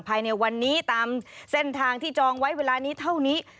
ภายในวันนี้ตามเส้นทางที่จองไว้เวลานี้เท่านี้